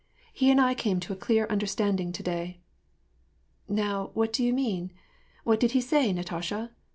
" He and I came to a clear understanding to^ay." " Now, what do you mean ? What did he say, Natasha